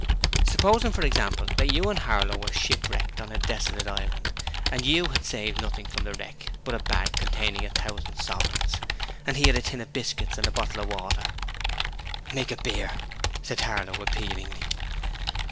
'Supposing for example that you and Harlow were shipwrecked on a desolate island, and YOU had saved nothing from the wreck but a bag containing a thousand sovereigns, and he had a tin of biscuits and a bottle of water.' 'Make it beer!' cried Harlow appealingly.